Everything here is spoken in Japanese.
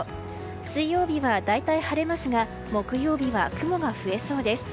水曜日は大体晴れますが木曜日は雲が増えそうです。